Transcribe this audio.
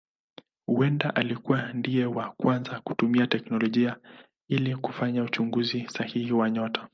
Huenda alikuwa ndiye wa kwanza kutumia teknolojia ili kufanya uchunguzi sahihi wa nyota.